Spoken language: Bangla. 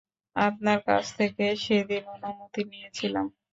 আপনার কাছ থেকে সেদিন অনুমতি নিয়েছিলাম।